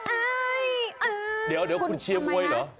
อ่าอายอายเดี๋ยวคุณเชียก์ก้วยหรอ